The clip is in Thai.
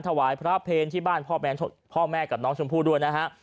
ถวายพระเพลที่บ้านพ่อแม่กับน้องชมพู่ด้วยนะฮะ